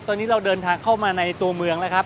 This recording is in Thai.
ตอนนี้เราเดินทางเข้ามาในตัวเมืองแล้วครับ